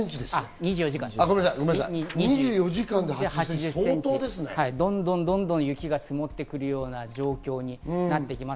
２４時間で８０ｃｍ相当ですどんどん雪が積もってくるような状況になってきます。